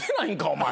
お前。